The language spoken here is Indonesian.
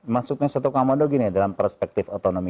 maksudnya satu komando gini dalam perspektif otonomi